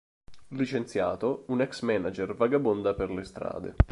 Licenziato, un ex manager vagabonda per le strade.